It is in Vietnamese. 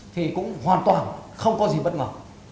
thì cũng hoàn toàn không có gì bất ngờ